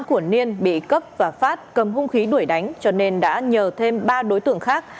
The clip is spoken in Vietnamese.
của niên bị cấp và phát cầm hung khí đuổi đánh cho nên đã nhờ thêm ba đối tượng khác